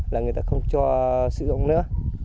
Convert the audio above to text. là người ta không cho sử dụng nữa